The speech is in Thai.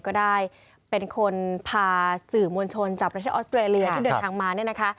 ก็ได้เป็นคนพาสื่อมวลชนจากประเทศออสเตรเลียที่เดินทางมาเนี่ยนะคะ